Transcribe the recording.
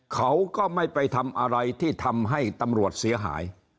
เขาก็ไม่ไปทำอะไรที่ทำให้ตำรวจเสียหาย